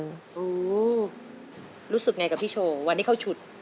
โอ้โหรู้สึกไงกับพี่โชว์วันที่เข้าชุด